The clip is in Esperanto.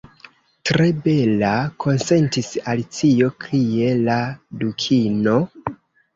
"Tre bela," konsentis Alicio. "Kie la Dukino?"